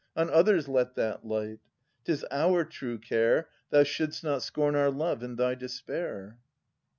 On others let that light! 'Tis our true care Thou should! st not scorn our love in thy despair.